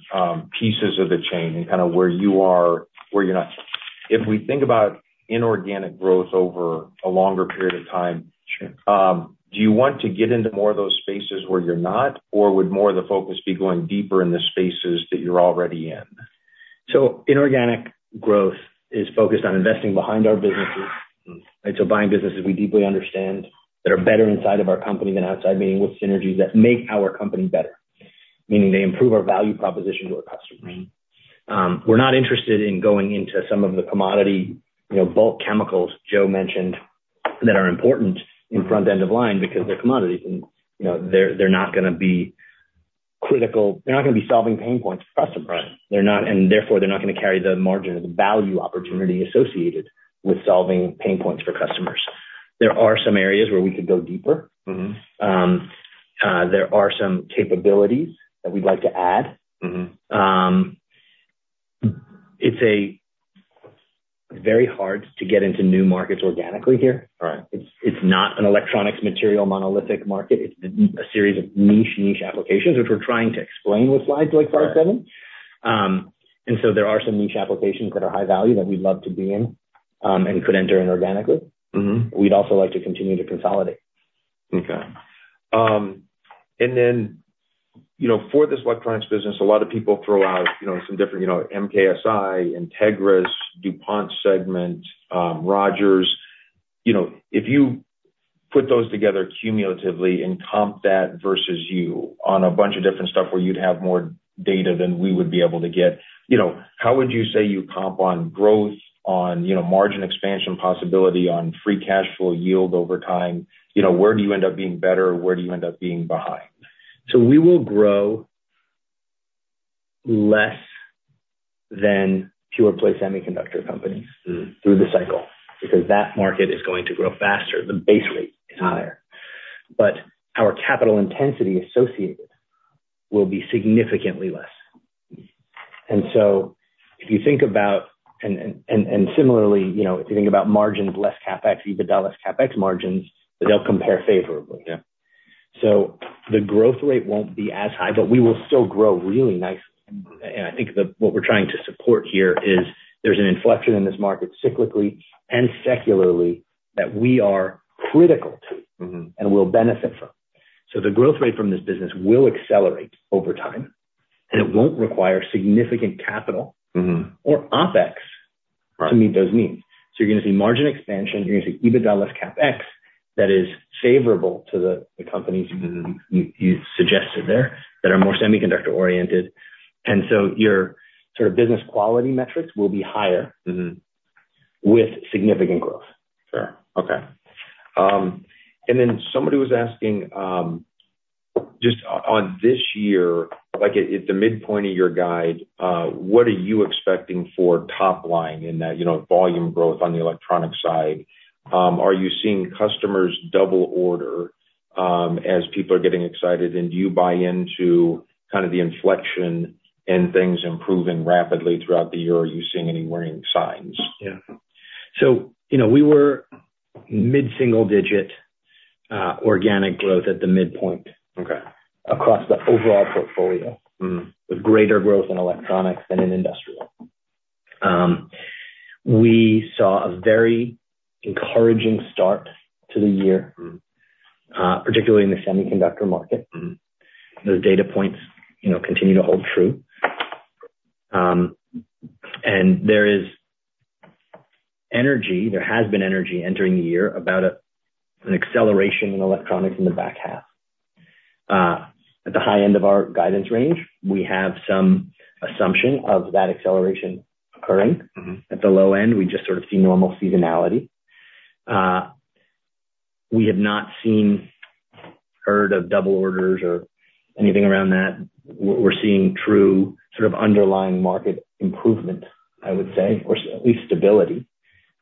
pieces of the chain and kind of where you are, where you're not. If we think about inorganic growth over a longer period of time- Sure. Do you want to get into more of those spaces where you're not? Or would more of the focus be going deeper in the spaces that you're already in? Inorganic growth is focused on investing behind our businesses. Mm. And so buying businesses we deeply understand, that are better inside of our company than outside, meaning with synergies that make our company better, meaning they improve our value proposition to our customer. Right. We're not interested in going into some of the commodity, you know, bulk chemicals Joe mentioned, that are important in front-end of line, because they're commodities and, you know, they're not gonna be critical. They're not gonna be solving pain points for customers. Right. They're not, and therefore, they're not gonna carry the margin or the value opportunity associated with solving pain points for customers. There are some areas where we could go deeper. Mm-hmm. There are some capabilities that we'd like to add. Mm-hmm. It's very hard to get into new markets organically here. Right. It's not an electronics material, monolithic market. It's a series of niche applications, which we're trying to explain with slides like slide seven. Right. And so there are some niche applications that are high value that we'd love to be in, and could enter in organically. Mm-hmm. We'd also like to continue to consolidate. Okay. And then, you know, for this electronics business, a lot of people throw out, you know, some different, you know, MKSI, Entegris, DuPont segment, Rogers. You know, if you put those together cumulatively and comp that versus you on a bunch of different stuff where you'd have more data than we would be able to get, you know, how would you say you comp on growth, on, you know, margin expansion possibility, on free cash flow yield over time? You know, where do you end up being better? Where do you end up being behind? We will grow less than pure play semiconductor companies through the cycle, because that market is going to grow faster. The base rate is higher. Got it. But our capital intensity associated will be significantly less. Mm. Similarly, you know, if you think about margins, less CapEx, EBITDA, less CapEx margins, they'll compare favorably. Yeah. So the growth rate won't be as high, but we will still grow really nice. And I think that what we're trying to support here is there's an inflection in this market, cyclically and secularly, that we are critical to, and will benefit from. So the growth rate from this business will accelerate over time, and it won't require significant capital or OpEx to meet those needs. So you're gonna see margin expansion, you're gonna see EBITDA less CapEx that is favorable to the companies you suggested there, that are more semiconductor-oriented. And so your sort of business quality metrics will be higher with significant growth. Sure. Okay. And then somebody was asking, just on this year, like at the midpoint of your guide, what are you expecting for top line in that, you know, volume growth on the electronic side? Are you seeing customers double order, as people are getting excited? And do you buy into kind of the inflection and things improving rapidly throughout the year, or are you seeing any warning signs? Yeah. So, you know, we were mid-single digit organic growth at the midpoint across the overall portfolio. Mm. With greater growth in electronics than in industrial. We saw a very encouraging start to the year particularly in the semiconductor market. Mm. Those data points, you know, continue to hold true. And there is energy, there has been energy entering the year about an acceleration in electronics in the back half. At the high end of our guidance range, we have some assumption of that acceleration occurring. Mm-hmm. At the low end, we just sort of see normal seasonality. We have not seen or heard of double orders or anything around that. We're seeing true sort of underlying market improvement, I would say, or at least stability,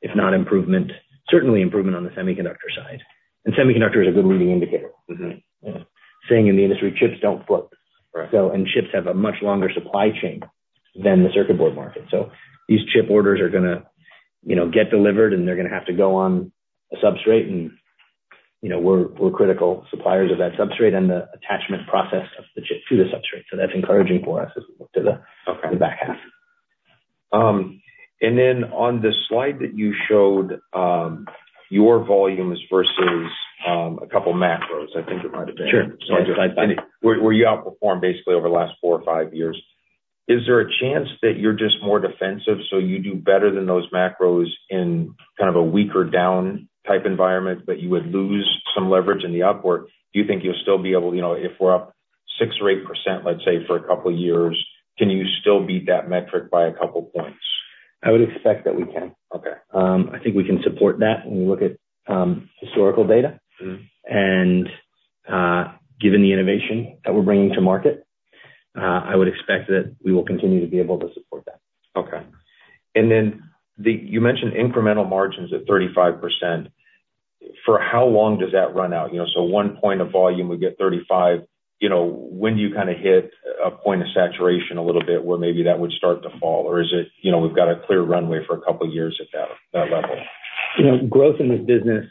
if not improvement. Certainly improvement on the semiconductor side. And semiconductor is a good leading indicator. Mm-hmm. You know, saying in the industry, "Chips don't float. Right. Chips have a much longer supply chain than the circuit board market. So these chip orders are gonna, you know, get delivered, and they're gonna have to go on a substrate, and, you know, we're critical suppliers of that substrate and the attachment process of the chip to the substrate. So that's encouraging for us as we look to the back half. And then on the slide that you showed, your volumes versus a couple of macros, I think it might have been. Sure. Where you outperformed basically over the last 4 years or 5 years. Is there a chance that you're just more defensive, so you do better than those macros in kind of a weaker, down type environment, but you would lose some leverage in the upward? Do you think you'll still be able to, you know, if we're up 6% or 8%, let's say, for a couple of years, can you still beat that metric by a couple points? I would expect that we can. Okay. I think we can support that when we look at historical data. Mm. Given the innovation that we're bringing to market, I would expect that we will continue to be able to support that. Okay. And then you mentioned incremental margins of 35%. For how long does that run out? You know, so 1 point of volume would get 35%. You know, when do you kind of hit a point of saturation a little bit where maybe that would start to fall? Or is it, you know, we've got a clear runway for a couple of years at that, that level? You know, growth in this business,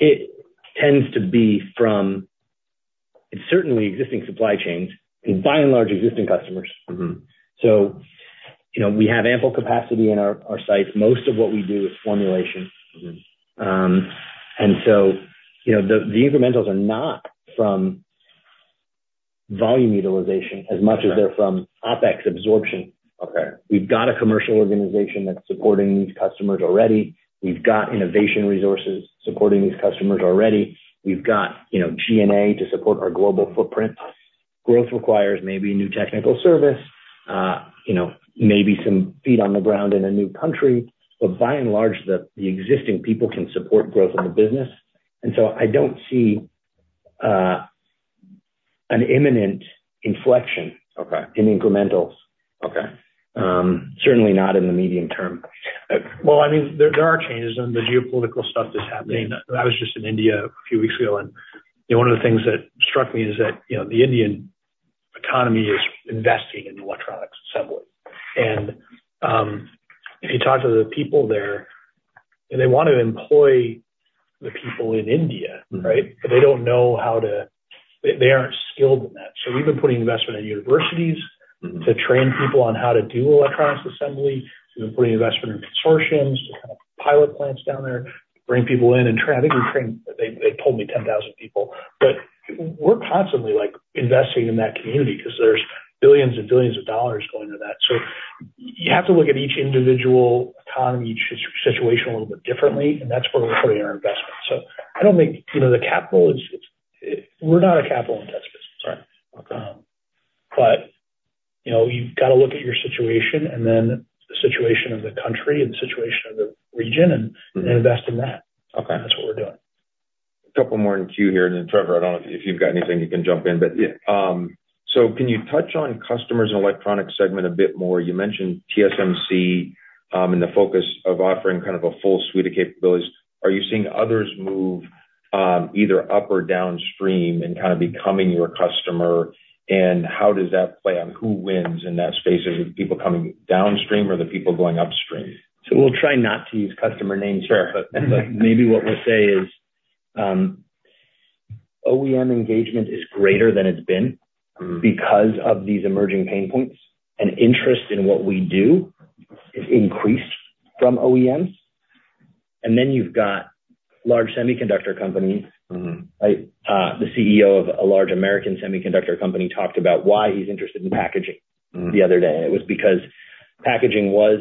it tends to be from, it's certainly existing supply chains, and by and large, existing customers. Mm-hmm. You know, we have ample capacity in our sites. Most of what we do is formulation. Mm-hmm. And so, you know, the incrementals are not from volume utilization as much as they're from OpEx absorption. Okay. We've got a commercial organization that's supporting these customers already. We've got innovation resources supporting these customers already. We've got, you know, G&A to support our global footprint. Growth requires maybe new technical service, you know, maybe some feet on the ground in a new country. But by and large, the existing people can support growth in the business, and so I don't see an imminent inflection in incrementals. Okay. Certainly not in the medium term. Well, I mean, there are changes, and the geopolitical stuff that's happening. Yeah. I was just in India a few weeks ago, and, you know, one of the things that struck me is that, you know, the Indian economy is investing in electronics assembly. If you talk to the people there, they want to employ the people in India, right? Mm-hmm. But they don't know how to, they aren't skilled in that. So we've been putting investment in universities. Mm-hmm. to train people on how to do electronics assembly. We've been putting investment in consortiums, to kind of pilot plants down there, to bring people in and train, I think we trained, they, they told me 10,000 people. But we're constantly, like, investing in that community, because there's billions and billions of dollars going to that. So you have to look at each individual economy, each situation a little bit differently, and that's where we're putting our investments. So I don't think, you know, the capital is, it's we're not a capital invest business. Right. Okay. But, you know, you've got to look at your situation, and then the situation of the country, and the situation of the region, and invest in that. Okay. That's what we're doing. A couple more in queue here, and then, Trevor, I don't know if you've got anything, you can jump in. Yeah. So can you touch on customers in electronic segment a bit more? You mentioned TSMC, and the focus of offering kind of a full suite of capabilities. Are you seeing others move, either up or downstream and kind of becoming your customer? And how does that play on who wins in that space? Is it people coming downstream or the people going upstream? We'll try not to use customer names here. Sure. But maybe what we'll say is, OEM engagement is greater than it's been because of these emerging pain points, and interest in what we do has increased from OEMs. And then you've got large semiconductor companies. Mm-hmm. Like, the CEO of a large American semiconductor company talked about why he's interested in packaging- Mm the other day. It was because packaging was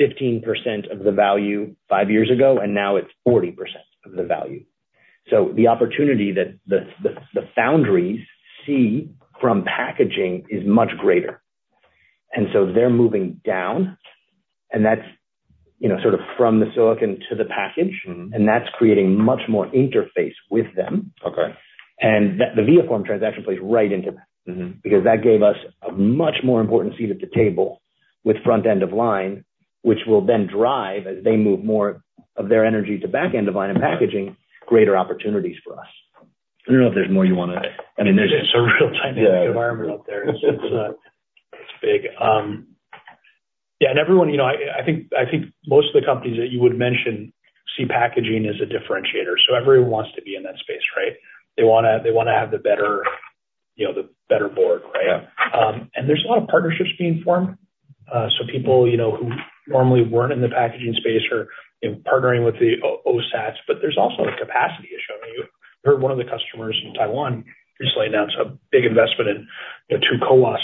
15% of the value five years ago, and now it's 40% of the value. So the opportunity that the foundries see from packaging is much greater. And so they're moving down, and that's, you know, sort of from the silicon to the package. Mm-hmm. That's creating much more interface with them. Okay. And that, the vertical integration plays right into that. Mm-hmm. Because that gave us a much more important seat at the table with front-end of line, which will then drive, as they move more of their energy to back-end of line and packaging, greater opportunities for us. I don't know if there's more you want to... I mean It's a real dynamic environment out there. Yeah. It's, it's big. Yeah, and everyone, you know, I, I think, I think most of the companies that you would mention see packaging as a differentiator. So everyone wants to be in that space, right? They wanna, they wanna have the better, you know, the better board, right? Yeah. And there's a lot of partnerships being formed. So people, you know, who normally weren't in the packaging space are, you know, partnering with the OSATs, but there's also a capacity issue. I mean, you heard one of the customers in Taiwan just laying down some big investment in, you know, 2 CoWoS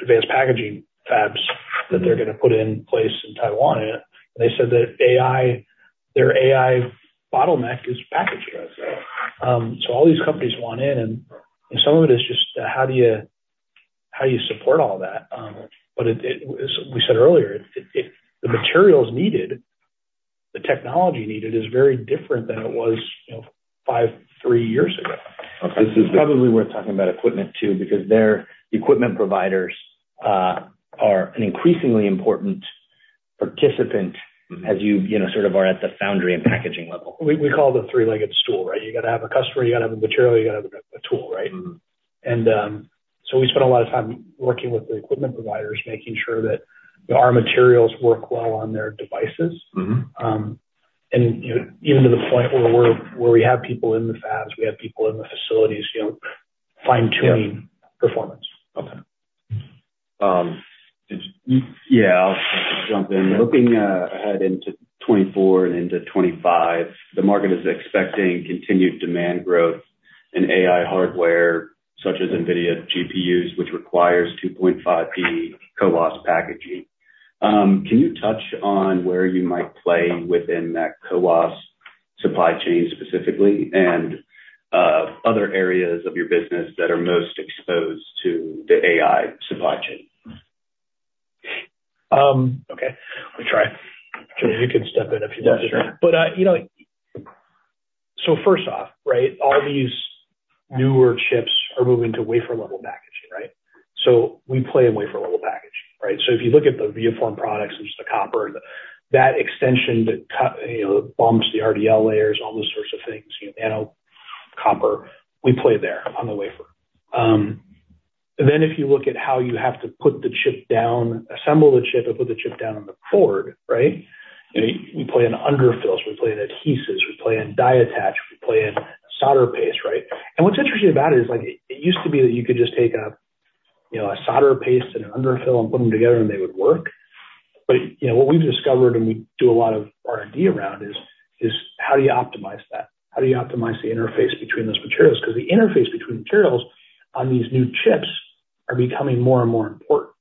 advanced packaging fabs that they're gonna put in place in Taiwan. And they said that AI, their AI bottleneck is package fab. So all these companies want in, and some of it is just how do you, how do you support all that? But as we said earlier, the materials needed, the technology needed is very different than it was, you know, 5 years, 3 years ago. Okay. This is probably worth talking about equipment, too, because their equipment providers are an increasingly important participant as you, you know, sort of are at the foundry and packaging level. We call it the three-legged stool, right? You gotta have a customer, you gotta have a material, you gotta have a tool, right? Mm-hmm. We spend a lot of time working with the equipment providers, making sure that our materials work well on their devices. Mm-hmm. You know, even to the point where we have people in the fabs, we have people in the facilities, you know, fine-tuning performance. Okay. Yeah, I'll jump in. Looking ahead into 2024 and into 2025, the market is expecting continued demand growth in AI hardware, such as NVIDIA GPUs, which requires 2.5D CoWoS packaging. Can you touch on where you might play within that CoWoS supply chain specifically, and other areas of your business that are most exposed to the AI supply chain? Okay, let me try. Trevor, you can step in if you want. Yes, sure. But you know, so first off, right? All these newer chips are moving to wafer level packaging, right? So we play in wafer level packaging, right? So if you look at the ViaForm products, which is the copper, that extension that cut, you know, bumps the RDL layers, all those sorts of things, you know, nano copper, we play there on the wafer. And then if you look at how you have to put the chip down, assemble the chip, and put the chip down on the board, right? You know, we play in underfills, we play in adhesives, we play in die attach, we play in solder paste, right? And what's interesting about it is, like, it used to be that you could just take a, you know, a solder paste and an underfill and put them together, and they would work. But, you know, what we've discovered, and we do a lot of R&D around, is how do you optimize that? How do you optimize the interface between those materials? Because the interface between materials on these new chips are becoming more and more important,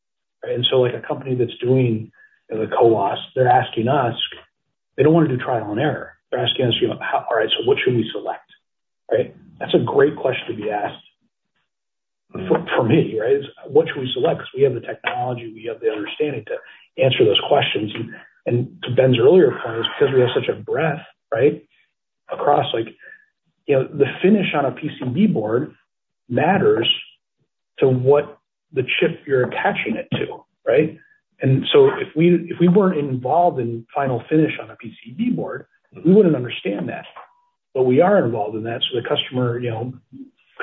right? And so, like, a company that's doing the CoWoS, they're asking us, they don't wanna do trial and error. They're asking us, you know, "How, all right, so what should we select?" Right? That's a great question to be asked for, for me, right? What should we select? Because we have the technology, we have the understanding to answer those questions. And to Ben's earlier point, is because we have such a breadth, right, across like, you know, the finish on a PCB board matters to what the chip you're attaching it to, right? And so if we, if we weren't involved in final finish on a PCB board, we wouldn't understand that. But we are involved in that, so the customer, you know,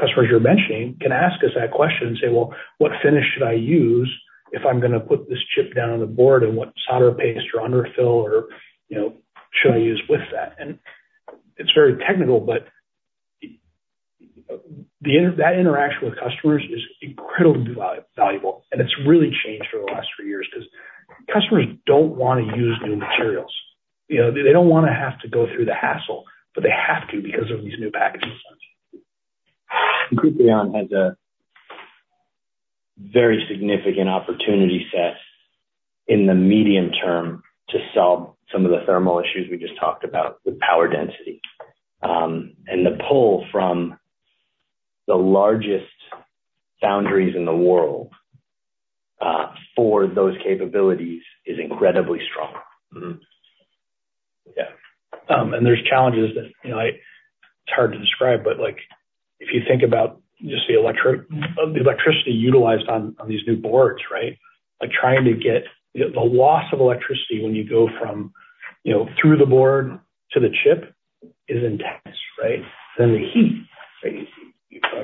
customers you're mentioning, can ask us that question and say, "Well, what finish should I use if I'm gonna put this chip down on the board? And what solder paste or underfill or, you know, should I use with that?" And it's very technical, but yeah, the interaction with customers is incredibly valuable, and it's really changed over the last few years, 'cause customers don't wanna use new materials. You know, they don't wanna have to go through the hassle, but they have to because of these new packaging functions. Kuprion has a very significant opportunity set in the medium term to solve some of the thermal issues we just talked about with power density. The pull from the largest foundries in the world for those capabilities is incredibly strong. Mm-hmm. Yeah. And there's challenges that, you know, it's hard to describe, but, like, if you think about just the electro- of the electricity utilized on, on these new boards, right? Like, trying to get the, the loss of electricity when you go from, you know, through the board to the chip is intense, right? Then the heat, right?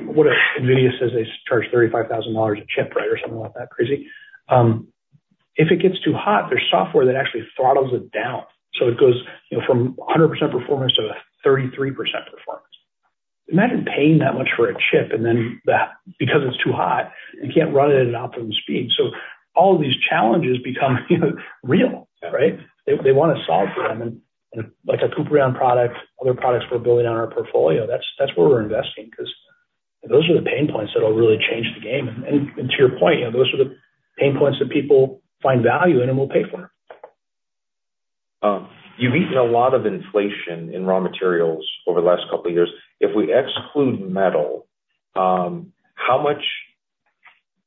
What if NVIDIA says they charge $35,000 a chip, right, or something like that crazy. If it gets too hot, there's software that actually throttles it down. So it goes, you know, from 100% performance to 33% performance. Imagine paying that much for a chip, and then that, because it's too hot, you can't run it at an optimum speed. So all of these challenges become, you know, real, right? Yeah. They wanna solve for them. And like a Kuprion product, other products we're building on our portfolio, that's where we're investing, 'cause those are the pain points that'll really change the game. And to your point, you know, those are the pain points that people find value in and will pay for. You've eaten a lot of inflation in raw materials over the last couple of years. If we exclude metal, how much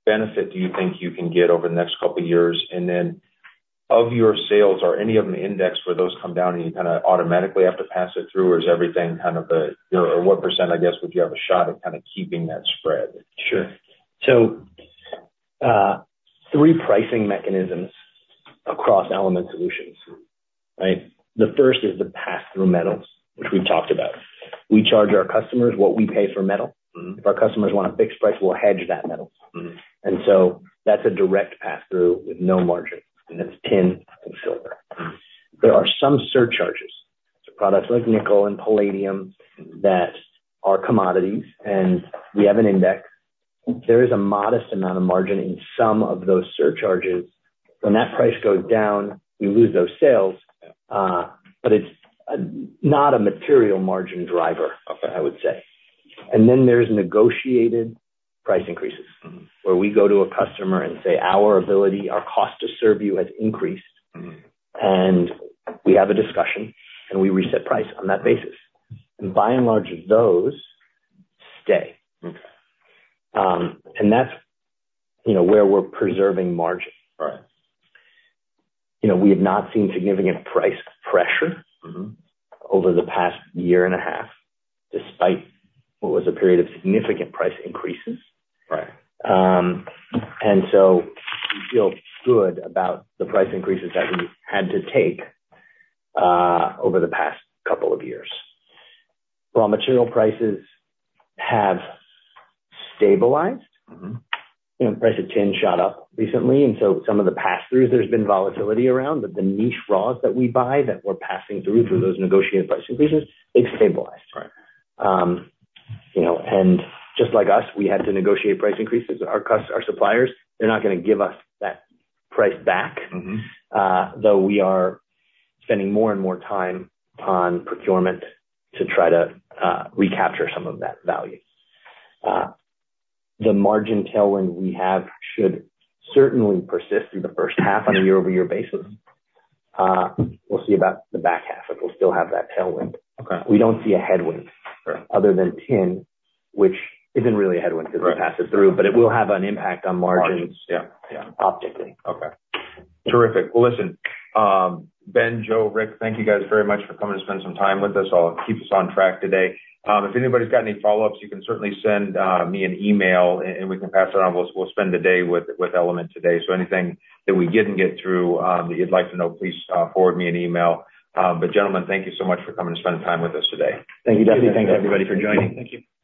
benefit do you think you can get over the next couple of years? And then, of your sales, are any of them indexed, where those come down, and you kind of automatically have to pass it through, or is everything kind of a, you know, or what percent, I guess, would you have a shot at kind of keeping that spread? Sure. So, three pricing mechanisms across Element Solutions, right? The first is the pass-through metals, which we've talked about. We charge our customers what we pay for metal. Mm-hmm. If our customers want a fixed price, we'll hedge that metal. Mm-hmm. That's a direct pass-through with no margin, and that's tin and silver. Mm. There are some surcharges, so products like nickel and palladium, that are commodities, and we have an index. There is a modest amount of margin in some of those surcharges. When that price goes down, we lose those sales but it's not a material margin driver. Okay. I would say. And then there's negotiated price increases. Mm-hmm. where we go to a customer and say, "Our ability, our cost to serve you, has increased. Mm-hmm. We have a discussion, and we reset price on that basis. By and large, those stay. Okay. That's, you know, where we're preserving margin. Right. You know, we have not seen significant price pressure- Mm-hmm. over the past year and a half, despite what was a period of significant price increases. Right. And so we feel good about the price increases that we've had to take over the past couple of years. Raw material prices have stabilized. Mm-hmm. You know, the price of tin shot up recently, and so some of the pass-throughs, there's been volatility around. But the niche raws that we buy, that we're passing through those negotiated price increases, it's stabilized. Right. You know, and just like us, we had to negotiate price increases. Our suppliers, they're not gonna give us that price back. Mm-hmm. Though we are spending more and more time on procurement to try to recapture some of that value. The margin tailwind we have should certainly persist through the first half on a year-over-year basis. We'll see about the back half, if we'll still have that tailwind. Okay. We don't see a headwind- Right. Other than tin, which isn't really a headwind. Right. because it passes through, but it will have an impact on margins. Margins. Yeah, yeah. Optically. Okay. Terrific. Well, listen, Ben, Joe, Rick, thank you guys very much for coming to spend some time with us. I'll keep us on track today. If anybody's got any follow-ups, you can certainly send me an email, and we can pass it on. We'll spend the day with Element today, so anything that we didn't get through that you'd like to know, please forward me an email. But gentlemen, thank you so much for coming and spending time with us today. Thank you, Duffy. Thanks, everybody, for joining. Thank you.